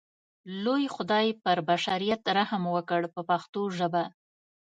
لوی خدای پر بشریت رحم وکړ په پښتو ژبه.